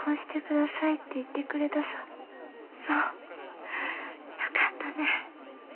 そうよかったね。